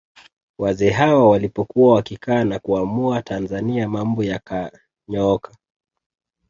Wazee hawa walipokuwa wakikaa na kuamua Tanzania mambo yakanyooka